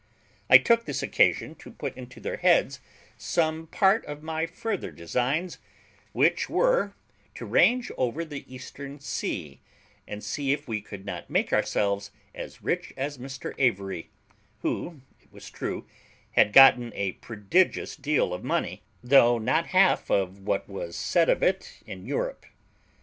I took this occasion to put into their heads some part of my further designs, which were, to range over the eastern sea, and see if we could not make ourselves as rich as Mr Avery, who, it was true, had gotten a prodigious deal of money, though not one half of what was said of it in Europe.